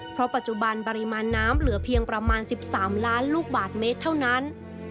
เพราะปัจจุบันปริมาณน้ำเหลือเพียงประมาณ๑๓ล้านลูกบาทเมตรเท่านั้น